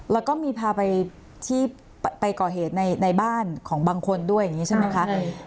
แล้วก็มีพาไปที่ไปก่อเหตุในบ้านของบางคนด้วยอย่างนี้ใช่ไหมคะ